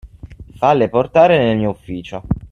Falle portare nel mio ufficio.